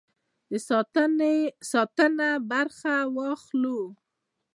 ساتنه کې برخه واخلو.